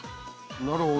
なるほど。